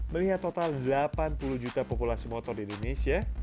melihat total delapan puluh juta populasi motor di indonesia